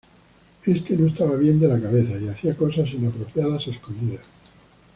Éste no estaba bien de la cabeza y hacía cosas inapropiadas a escondidas.